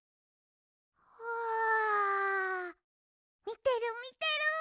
みてるみてる。